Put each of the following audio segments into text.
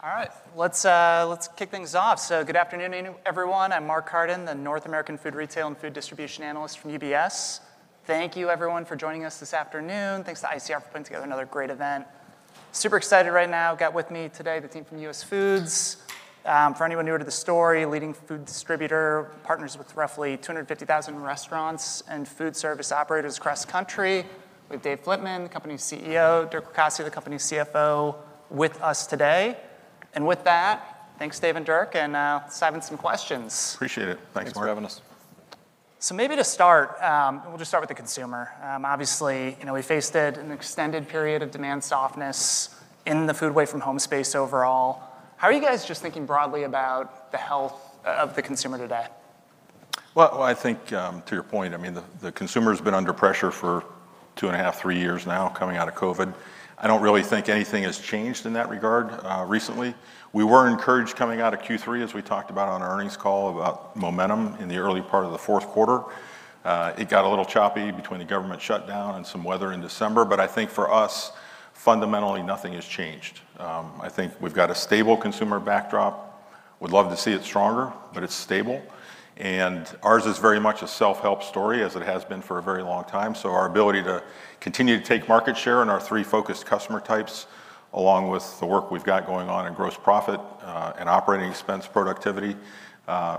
All right, let's kick things off. So good afternoon, everyone. I'm MarkCarden, the North American Food Retail and Food Distribution Analyst from UBS. Thank you, everyone, for joining us this afternoon. Thanks to ICR for putting together another great event. Super excited right now. Got with me today the team from US Foods. For anyone new to the story, leading food distributor, partners with roughly 250,000 restaurants and food service operators across the country. We have Dave Flitman, the company's CEO, Dirk Locascio, the company's CFO, with us today, and with that, thanks, Dave and Dirk, and let's dive into some questions. Appreciate it. Thanks for having us. So maybe to start, we'll just start with the consumer. Obviously, we faced an extended period of demand softness in the food away from home space overall. How are you guys just thinking broadly about the health of the consumer today? I think, to your point, I mean, the consumer has been under pressure for two and a half, three years now coming out of COVID. I don't really think anything has changed in that regard recently. We were encouraged coming out of Q3, as we talked about on our earnings call, about momentum in the early part of the fourth quarter. It got a little choppy between the government shutdown and some weather in December. I think for us, fundamentally, nothing has changed. I think we've got a stable consumer backdrop. We'd love to see it stronger, but it's stable. Ours is very much a self-help story, as it has been for a very long time. Our ability to continue to take market share in our three focused customer types, along with the work we've got going on in gross profit and operating expense productivity,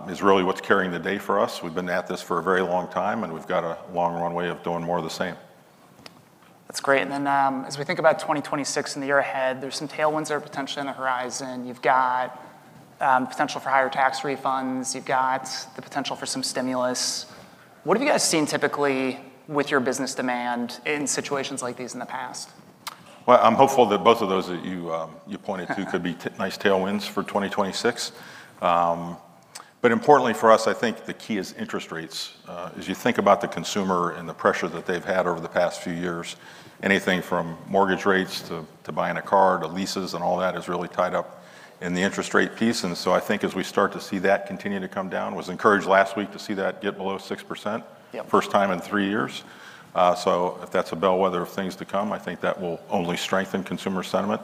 is really what's carrying the day for us. We've been at this for a very long time, and we've got a long runway of doing more of the same. That's great. And then as we think about 2026 and the year ahead, there's some tailwinds that are potentially on the horizon. You've got the potential for higher tax refunds. You've got the potential for some stimulus. What have you guys seen typically with your business demand in situations like these in the past? I'm hopeful that both of those that you pointed to could be nice tailwinds for 2026. Importantly for us, I think the key is interest rates. As you think about the consumer and the pressure that they've had over the past few years, anything from mortgage rates to buying a car to leases and all that is really tied up in the interest rate piece. I think as we start to see that continue to come down, I was encouraged last week to see that get below 6%, first time in three years. If that's a bellwether of things to come, I think that will only strengthen consumer sentiment.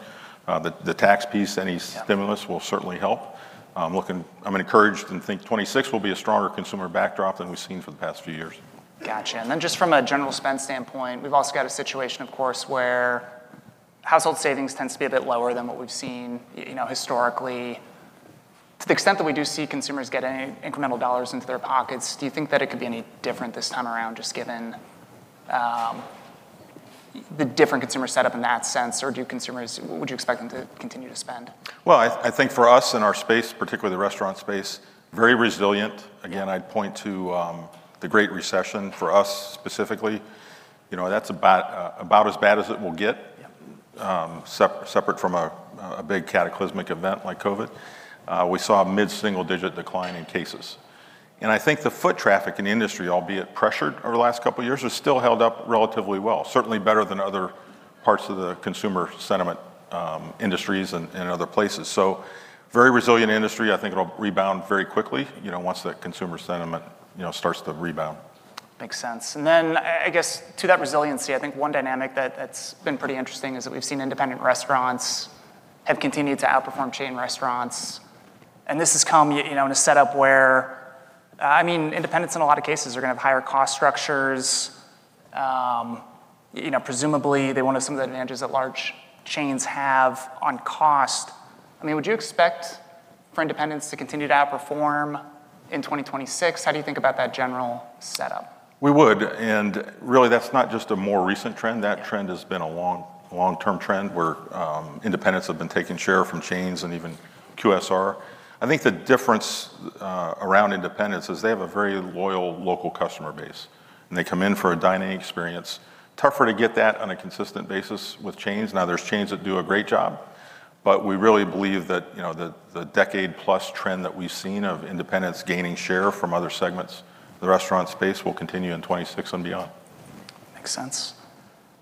The tax piece, any stimulus will certainly help. I'm encouraged and think 2026 will be a stronger consumer backdrop than we've seen for the past few years. Gotcha. And then just from a general spend standpoint, we've also got a situation, of course, where household savings tend to be a bit lower than what we've seen historically. To the extent that we do see consumers get any incremental dollars into their pockets, do you think that it could be any different this time around, just given the different consumer setup in that sense? Or would you expect them to continue to spend? I think for us in our space, particularly the restaurant space, very resilient. Again, I'd point to the Great Recession for us specifically. That's about as bad as it will get, separate from a big cataclysmic event like COVID. We saw a mid-single-digit decline in cases. And I think the foot traffic in the industry, albeit pressured over the last couple of years, has still held up relatively well, certainly better than other parts of the consumer sentiment industries and other places. Very resilient industry. I think it'll rebound very quickly once that consumer sentiment starts to rebound. Makes sense, and then I guess to that resiliency, I think one dynamic that's been pretty interesting is that we've seen independent restaurants have continued to outperform chain restaurants. And this has come in a setup where, I mean, independents in a lot of cases are going to have higher cost structures. Presumably, they want to have some of the advantages that large chains have on cost. I mean, would you expect for independents to continue to outperform in 2026? How do you think about that general setup? We would. And really, that's not just a more recent trend. That trend has been a long-term trend where independents have been taking share from chains and even QSR. I think the difference around independents is they have a very loyal local customer base. And they come in for a dining experience. Tougher to get that on a consistent basis with chains. Now, there's chains that do a great job, but we really believe that the decade-plus trend that we've seen of independents gaining share from other segments, the restaurant space will continue in 2026 and beyond. Makes sense.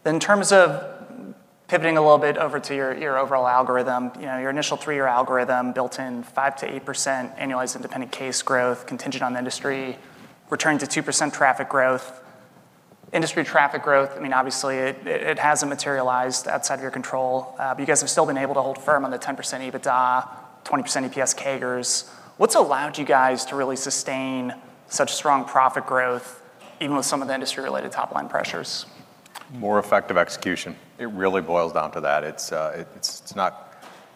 Then in terms of pivoting a little bit over to your overall algorithm, your initial three-year algorithm built in 5%-8% annualized independent case growth, contingent on the industry, returning to 2% traffic growth. Industry traffic growth, I mean, obviously it hasn't materialized outside of your control. But you guys have still been able to hold firm on the 10% EBITDA, 20% EPS CAGRs. What's allowed you guys to really sustain such strong profit growth, even with some of the industry-related top-line pressures? More effective execution. It really boils down to that. It's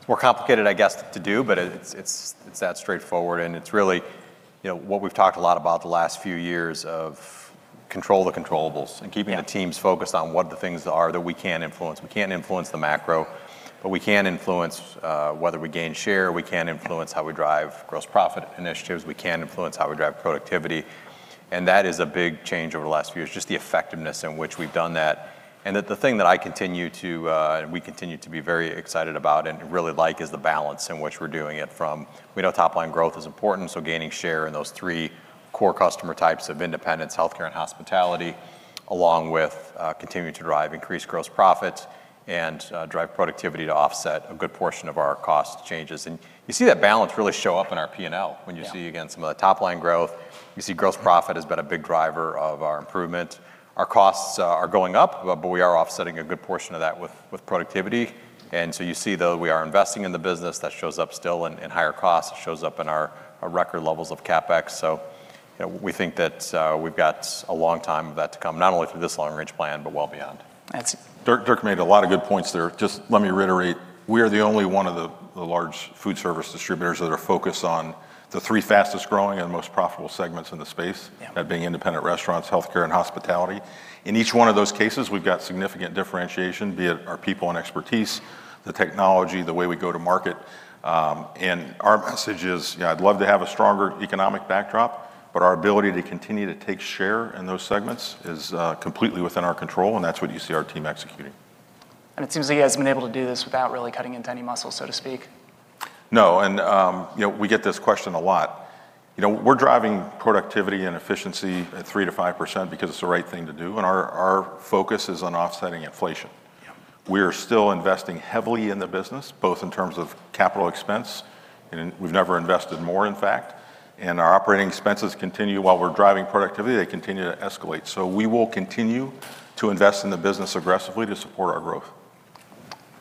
more complicated, I guess, to do, but it's that straightforward. And it's really what we've talked a lot about the last few years of control of the controllables, and keeping the teams focused on what the things are that we can influence. We can't influence the macro, but we can influence whether we gain share. We can influence how we drive gross profit initiatives. We can influence how we drive productivity. And that is a big change over the last few years, just the effectiveness in which we've done that. The thing that I continue to, and we continue to be very excited about and really like is the balance in which we're doing it from. We know top-line growth is important, so gaining share in those three core customer types of independents, healthcare and hospitality, along with continuing to drive increased gross profits and drive productivity to offset a good portion of our cost changes. You see that balance really show up in our P&L when you see, again, some of the top-line growth. You see gross profit has been a big driver of our improvement. Our costs are going up, but we are offsetting a good portion of that with productivity. You see, though, we are investing in the business. That shows up still in higher costs. It shows up in our record levels of CapEx. So we think that we've got a long time of that to come, not only through this long-range plan, but well beyond. That's it. Dirk made a lot of good points there. Just let me reiterate, we are the only one of the large food service distributors that are focused on the three fastest growing and most profitable segments in the space, that being independent restaurants, healthcare, and hospitality. In each one of those cases, we've got significant differentiation, be it our people and expertise, the technology, the way we go to market. And our message is, I'd love to have a stronger economic backdrop, but our ability to continue to take share in those segments is completely within our control. And that's what you see our team executing. It seems like you guys have been able to do this without really cutting into any muscle, so to speak. No, and we get this question a lot. We're driving productivity and efficiency at 3%-5% because it's the right thing to do, and our focus is on offsetting inflation. We are still investing heavily in the business, both in terms of capital expense. We've never invested more, in fact, and our operating expenses continue, while we're driving productivity, they continue to escalate, so we will continue to invest in the business aggressively to support our growth.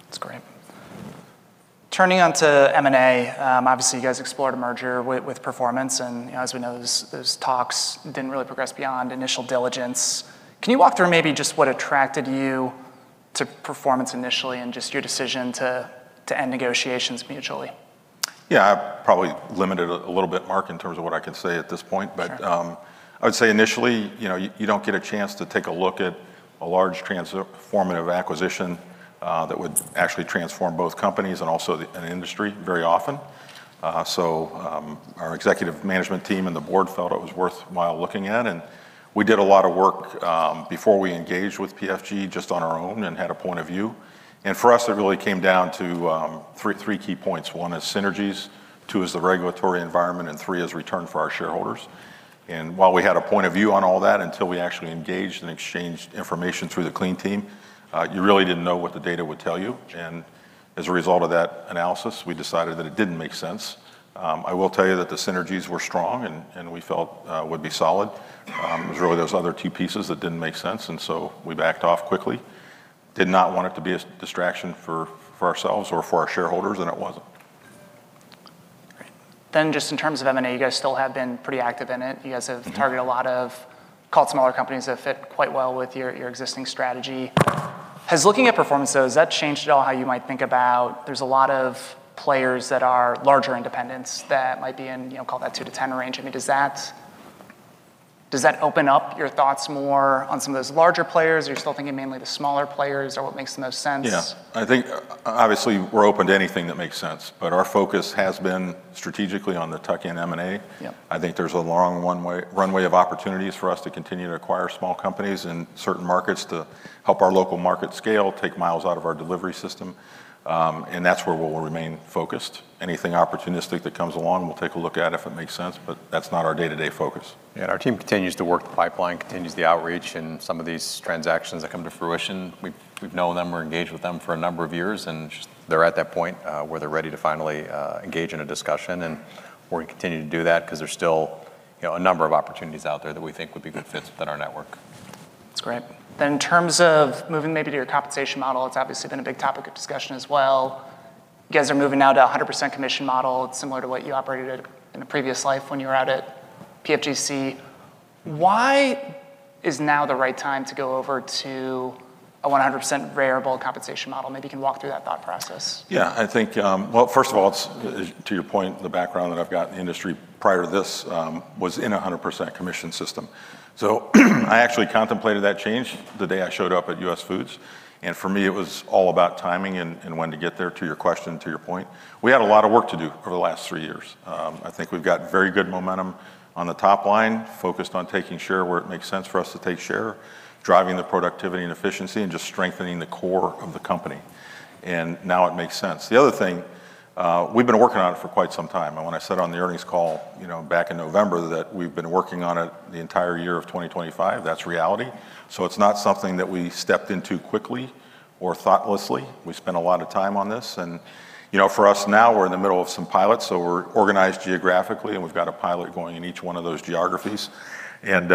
That's great. Turning to M&A, obviously you guys explored a merger with Performance, and as we know, those talks didn't really progress beyond initial diligence. Can you walk through maybe just what attracted you to Performance initially and just your decision to end negotiations mutually? Yeah, I probably limited it a little bit, Mark, in terms of what I can say at this point. But I would say initially, you don't get a chance to take a look at a large transformative acquisition that would actually transform both companies and also an industry very often. So our executive management team and the board felt it was worthwhile looking at. And we did a lot of work before we engaged with PFG just on our own and had a point of view. And for us, it really came down to three key points. One is synergies, two is the regulatory environment, and three is return for our shareholders. And while we had a point of view on all that until we actually engaged and exchanged information through the clean team, you really didn't know what the data would tell you. As a result of that analysis, we decided that it didn't make sense. I will tell you that the synergies were strong and we felt would be solid. It was really those other two pieces that didn't make sense. We backed off quickly, did not want it to be a distraction for ourselves or for our shareholders, and it wasn't. Great. Then just in terms of M&A, you guys still have been pretty active in it. You guys have targeted a lot of, called smaller companies that fit quite well with your existing strategy. Has looking at Performance, though, has that changed at all how you might think about? There's a lot of players that are larger independents that might be in, call that two to 10 range. I mean, does that open up your thoughts more on some of those larger players? Are you still thinking mainly the smaller players? Or what makes the most sense? Yeah. I think obviously we're open to anything that makes sense. But our focus has been strategically on the Tuck-in M&A. I think there's a long runway of opportunities for us to continue to acquire small companies in certain markets to help our local market scale, take miles out of our delivery system. And that's where we'll remain focused. Anything opportunistic that comes along, we'll take a look at if it makes sense, but that's not our day-to-day focus. Yeah, and our team continues to work the pipeline, continues the outreach, and some of these transactions that come to fruition. We've known them. We're engaged with them for a number of years. And they're at that point where they're ready to finally engage in a discussion. And we're going to continue to do that because there's still a number of opportunities out there that we think would be good fits within our network. That's great. Then in terms of moving maybe to your compensation model, it's obviously been a big topic of discussion as well. You guys are moving now to a 100% commission model. It's similar to what you operated in a previous life when you were out at PFGC. Why is now the right time to go over to a 100% variable compensation model? Maybe you can walk through that thought process. Yeah, I think, well, first of all, to your point, the background that I've got in the industry prior to this was in a 100% commission system, so I actually contemplated that change the day I showed up at US Foods. And for me, it was all about timing and when to get there, to your question, to your point. We had a lot of work to do over the last three years. I think we've got very good momentum on the top line, focused on taking share where it makes sense for us to take share, driving the productivity and efficiency, and just strengthening the core of the company, and now it makes sense. The other thing, we've been working on it for quite some time. And when I said on the earnings call back in November that we've been working on it the entire year of 2025, that's reality. So it's not something that we stepped into quickly or thoughtlessly. We spent a lot of time on this. And for us now, we're in the middle of some pilots. So we're organized geographically, and we've got a pilot going in each one of those geographies. And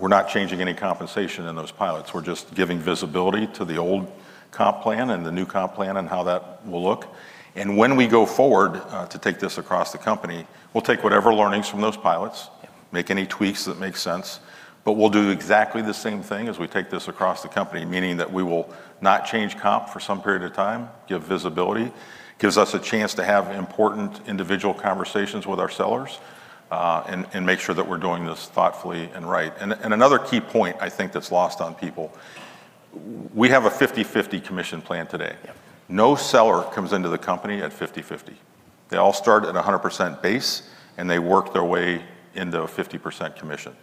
we're not changing any compensation in those pilots. We're just giving visibility to the old comp plan and the new comp plan and how that will look. And when we go forward to take this across the company, we'll take whatever learnings from those pilots, make any tweaks that make sense. But we'll do exactly the same thing as we take this across the company, meaning that we will not change comp for some period of time, give visibility, gives us a chance to have important individual conversations with our sellers, and make sure that we're doing this thoughtfully and right. Another key point I think that's lost on people is we have a 50/50 commission plan today. No seller comes into the company at 50/50. They all start at a 100% base, and they work their way into a 50% commission.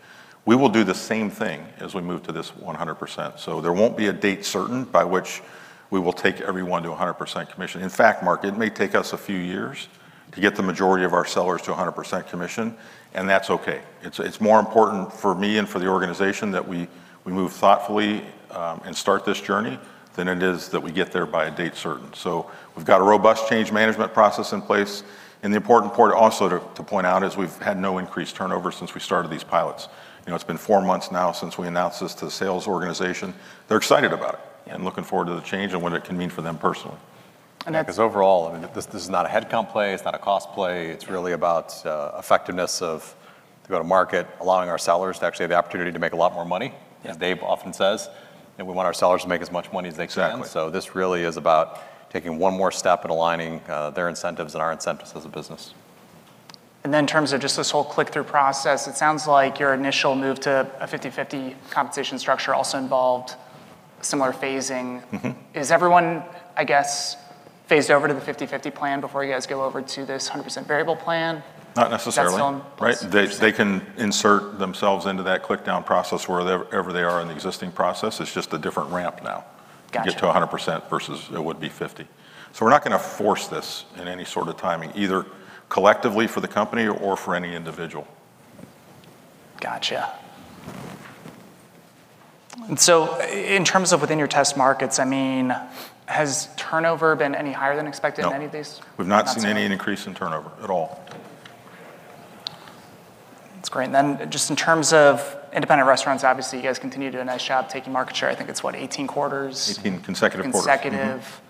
We will do the same thing as we move to this 100%. There won't be a date certain by which we will take everyone to 100% commission. In fact, Mark, it may take us a few years to get the majority of our sellers to 100% commission, and that's okay. It's more important for me and for the organization that we move thoughtfully and start this journey than it is that we get there by a date certain. So we've got a robust change management process in place. And the important part also to point out is we've had no increased turnover since we started these pilots. It's been four months now since we announced this to the sales organization. They're excited about it and looking forward to the change and what it can mean for them personally. And. Overall, I mean, this is not a headcount play. It's not a cost play. It's really about effectiveness of the go-to-market, allowing our sellers to actually have the opportunity to make a lot more money, as Dave often says, and we want our sellers to make as much money as they can, so this really is about taking one more step and aligning their incentives and our incentives as a business. And then in terms of just this whole click-through process, it sounds like your initial move to a 50/50 compensation structure also involved similar phasing. Is everyone, I guess, phased over to the 50/50 plan before you guys go over to this 100% variable plan? Not necessarily. That's still in place? Right. They can insert themselves into that click-down process wherever they are in the existing process. It's just a different ramp now to get to 100% versus it would be 50%. So we're not going to force this in any sort of timing, either collectively for the company or for any individual. Gotcha. And so in terms of within your test markets, I mean, has turnover been any higher than expected in any of these? No. We've not seen any increase in turnover at all. That's great. And then just in terms of independent restaurants, obviously you guys continue to do a nice job taking market share. I think it's what, 18 quarters? 18 consecutive quarters. Consecutive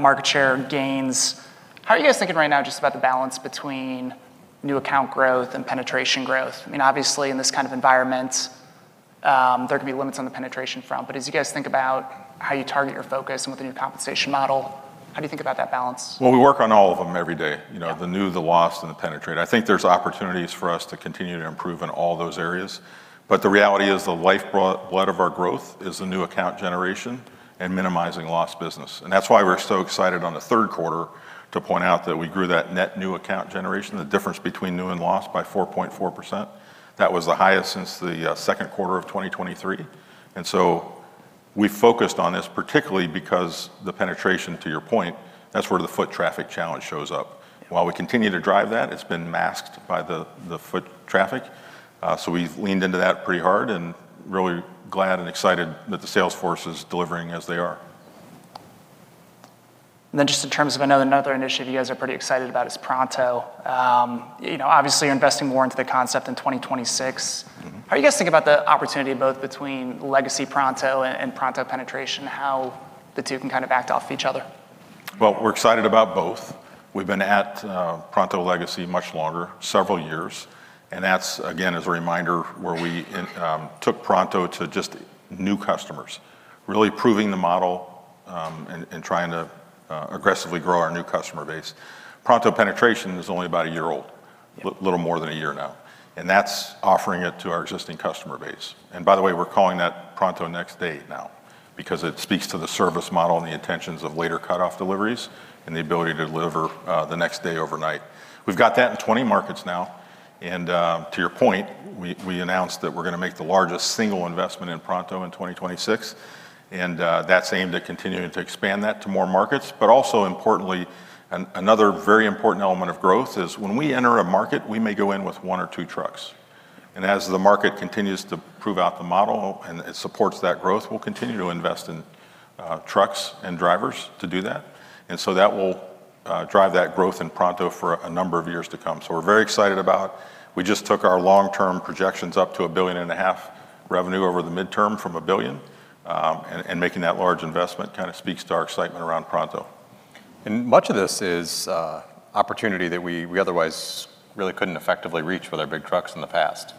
market share gains. How are you guys thinking right now just about the balance between new account growth and penetration growth? I mean, obviously in this kind of environment, there could be limits on the penetration front. But as you guys think about how you target your focus and with the new compensation model, how do you think about that balance? We work on all of them every day, the new, the lost, and the penetration. I think there's opportunities for us to continue to improve in all those areas. The reality is the lifeblood of our growth is the new account generation and minimizing lost business. That's why we're so excited on the third quarter to point out that we grew that net new account generation, the difference between new and lost, by 4.4%. That was the highest since the second quarter of 2023. We focused on this particularly because the penetration, to your point, that's where the foot traffic challenge shows up. While we continue to drive that, it's been masked by the foot traffic. We've leaned into that pretty hard and really glad and excited that the sales force is delivering as they are. And then just in terms of another initiative you guys are pretty excited about is Pronto. Obviously, you're investing more into the concept in 2026. How are you guys thinking about the opportunity both between Legacy Pronto and Pronto Penetration, how the two can kind of act off each other? We're excited about both. We've been at Pronto Legacy much longer, several years. That's, again, as a reminder, where we took Pronto to just new customers, really proving the model and trying to aggressively grow our new customer base. Pronto Penetration is only about a year old, a little more than a year now. That's offering it to our existing customer base. By the way, we're calling that Pronto Next Day now because it speaks to the service model and the intentions of later cutoff deliveries and the ability to deliver the next day overnight. We've got that in 20 markets now. To your point, we announced that we're going to make the largest single investment in Pronto in 2026. That's aimed at continuing to expand that to more markets. But also importantly, another very important element of growth is when we enter a market, we may go in with one or two trucks. And as the market continues to prove out the model and it supports that growth, we'll continue to invest in trucks and drivers to do that. And so that will drive that growth in Pronto for a number of years to come. So we're very excited about it. We just took our long-term projections up to $1.5 billion revenue over the midterm from $1 billion. And making that large investment kind of speaks to our excitement around Pronto. And much of this is opportunity that we otherwise really couldn't effectively reach with our big trucks in the past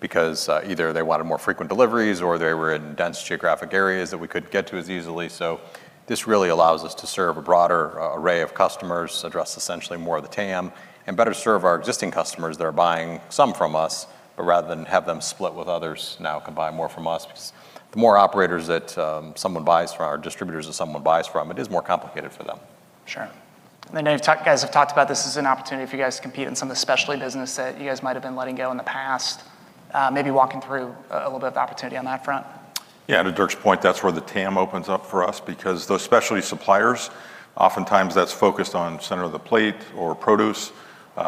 because either they wanted more frequent deliveries or they were in dense geographic areas that we couldn't get to as easily. So this really allows us to serve a broader array of customers, address essentially more of the TAM, and better serve our existing customers that are buying some from us, but rather than have them split with others, now can buy more from us. The more operators that someone buys from, our distributors that someone buys from, it is more complicated for them. Sure. And then you guys have talked about this as an opportunity for you guys to compete in some of the specialty business that you guys might have been letting go in the past. Maybe walking through a little bit of the opportunity on that front? Yeah, to Dirk's point, that's where the TAM opens up for us because those specialty suppliers, oftentimes that's focused on center of the plate or produce.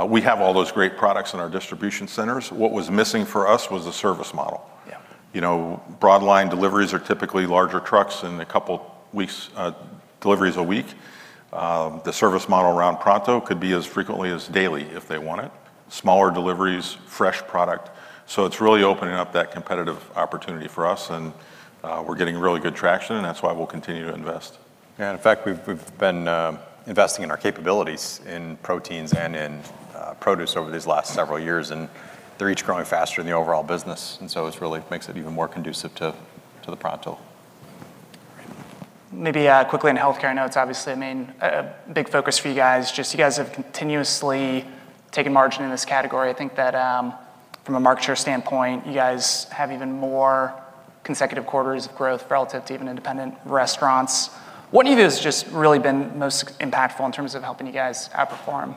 We have all those great products in our distribution centers. What was missing for us was the service model. Broadline deliveries are typically larger trucks and a couple of weeks' deliveries a week. The service model around Pronto could be as frequently as daily if they want it, smaller deliveries, fresh product. So it's really opening up that competitive opportunity for us, and we're getting really good traction, and that's why we'll continue to invest. Yeah, in fact, we've been investing in our capabilities in proteins and in produce over these last several years. And they're each growing faster than the overall business. And so it really makes it even more conducive to the Pronto. Maybe quickly on healthcare notes, obviously, I mean, a big focus for you guys, just you guys have continuously taken margin in this category. I think that from a market share standpoint, you guys have even more consecutive quarters of growth relative to even independent restaurants. What do you think has just really been most impactful in terms of helping you guys outperform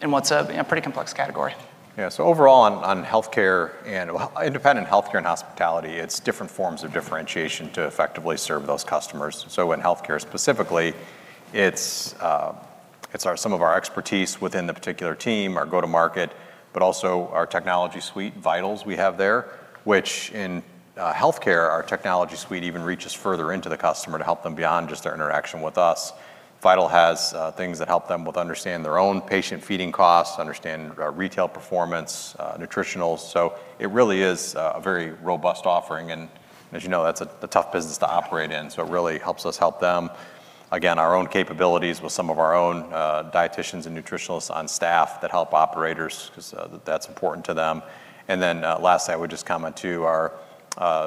in what's a pretty complex category? Yeah, so overall on healthcare and independent healthcare and hospitality, it's different forms of differentiation to effectively serve those customers. So in healthcare specifically, it's some of our expertise within the particular team, our go-to-market, but also our technology suite, Vital we have there, which in healthcare, our technology suite even reaches further into the customer to help them beyond just their interaction with us. Vital has things that help them with understand their own patient feeding costs, understand retail performance, nutritionals. So it really is a very robust offering. And as you know, that's a tough business to operate in. So it really helps us help them. Again, our own capabilities with some of our own dietitians and nutritionists on staff that help operators because that's important to them. And then lastly, I would just comment too on our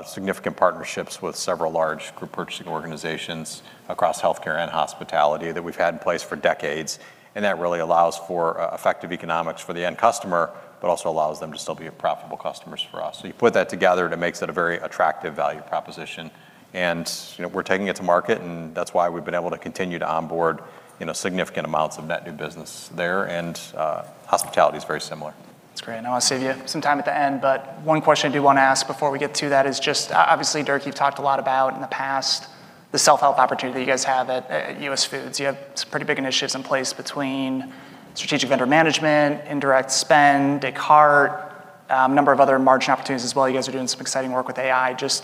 significant partnerships with several large group purchasing organizations across healthcare and hospitality that we've had in place for decades. And that really allows for effective economics for the end customer, but also allows them to still be profitable customers for us. So you put that together to make it a very attractive value proposition. And we're taking it to market, and that's why we've been able to continue to onboard significant amounts of net new business there. And hospitality is very similar. That's great, and I want to save you some time at the end, but one question I do want to ask before we get to that is just, obviously, Dirk, you've talked a lot about in the past the self-help opportunity that you guys have at US Foods. You have some pretty big initiatives in place between Strategic Vendor Management, indirect spend, Descartes, a number of other margin opportunities as well. You guys are doing some exciting work with AI. Just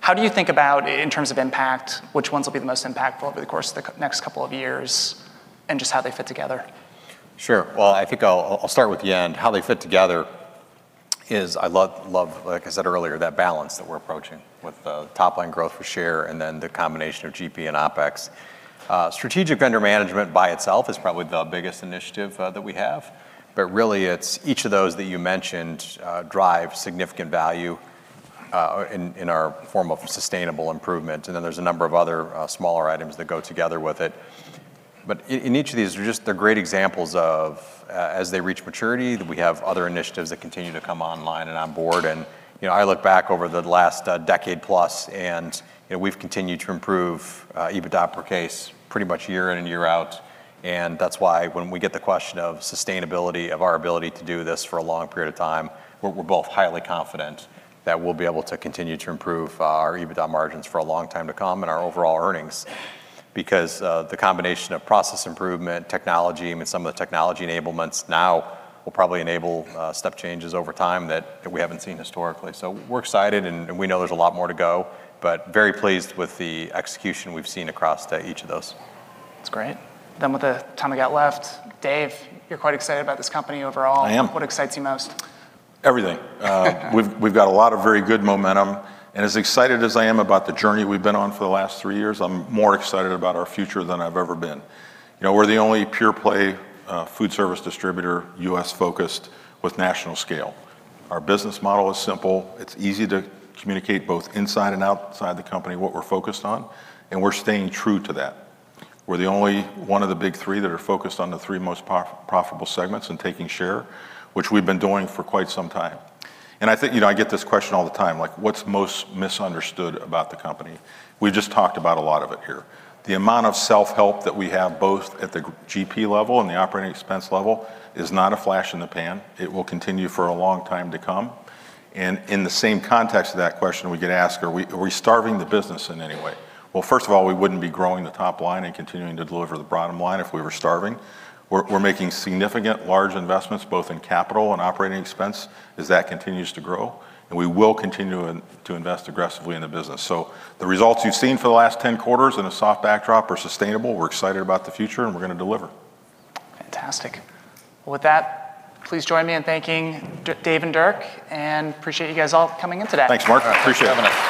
how do you think about in terms of impact, which ones will be the most impactful over the course of the next couple of years and just how they fit together? Sure. Well, I think I'll start with the end. How they fit together is I love, like I said earlier, that balance that we're approaching with top line growth for share and then the combination of GP and OPEX. Strategic Vendor Management by itself is probably the biggest initiative that we have. But really, it's each of those that you mentioned drive significant value in our form of sustainable improvement. And then there's a number of other smaller items that go together with it. But in each of these, they're just great examples of, as they reach maturity, we have other initiatives that continue to come online and onboard. And I look back over the last decade plus, and we've continued to improve EBITDA per case pretty much year in and year out. And that's why when we get the question of sustainability of our ability to do this for a long period of time, we're both highly confident that we'll be able to continue to improve our EBITDA margins for a long time to come and our overall earnings because the combination of process improvement, technology, and some of the technology enablements now will probably enable step changes over time that we haven't seen historically. So we're excited, and we know there's a lot more to go, but very pleased with the execution we've seen across each of those. That's great. Then with the time we got left, Dave, you're quite excited about this company overall. I am. What excites you most? Everything. We've got a lot of very good momentum. And as excited as I am about the journey we've been on for the last three years, I'm more excited about our future than I've ever been. We're the only pure play food service distributor, U.S. focused with national scale. Our business model is simple. It's easy to communicate both inside and outside the company what we're focused on. And we're staying true to that. We're the only one of the big three that are focused on the three most profitable segments and taking share, which we've been doing for quite some time. And I think I get this question all the time, like, what's most misunderstood about the company? We've just talked about a lot of it here. The amount of self-help that we have both at the GP level and the operating expense level is not a flash in the pan. It will continue for a long time to come. And in the same context of that question, we get asked, are we starving the business in any way? Well, first of all, we wouldn't be growing the top line and continuing to deliver the bottom line if we were starving. We're making significant large investments both in capital and operating expense as that continues to grow. And we will continue to invest aggressively in the business. So the results you've seen for the last 10 quarters in a soft backdrop are sustainable. We're excited about the future, and we're going to deliver. Fantastic. Well, with that, please join me in thanking Dave and Dirk, and appreciate you guys all coming in today. Thanks, Mark. Appreciate it.